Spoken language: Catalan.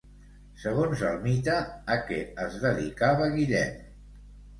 Segons el mite, a què es dedicava Guillem?